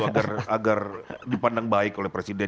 agar dipandang baik oleh presiden